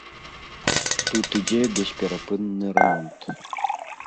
Тут ідзе бесперапынны рамонт.